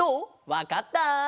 わかった？